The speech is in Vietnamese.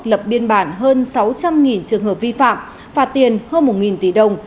lập biên bản hơn sáu trăm linh trường hợp vi phạm phạt tiền hơn một tỷ đồng